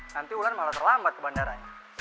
nanti ular malah terlambat ke bandaranya